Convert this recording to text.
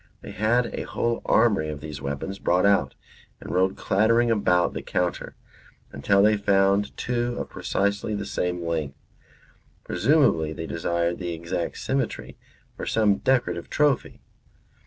They had a whole armoury of these weapons brought out and rolled clattering about the counter, until they found two of precisely the same length. Presumably they desired the exact symmetry for some decorative trophy.